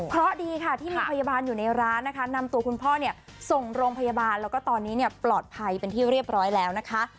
เพราะดีค่ะที่มีพยาบาลอยู่ในร้านนะคะนำตัวคุณพ่อเนี่ยส่งโรงพยาบาลแล้วก็ตอนนี้เนี่ยปลอดภัยเป็นที่เรียบร้อยแล้วนะคะ